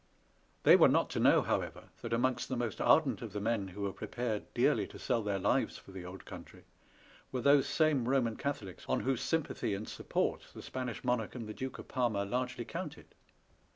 They were not to know, however, that amongst the most ardent of the men who were prepared dearly to sell their lives for the old country were those same Homan Catholics on whose sympathy and support the Spanish monarch and the Duke of Parma largely counted.